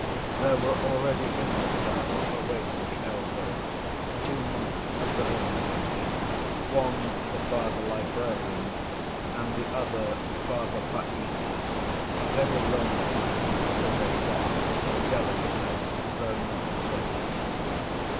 There were already in the cell, awaiting the elder, two monks of the hermitage, one the Father Librarian, and the other Father Païssy, a very learned man, so they said, in delicate health, though not old.